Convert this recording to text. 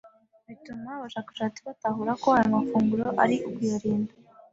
bituma abashakashatsi batahura ko ayo mafunguro ari ukuyirinda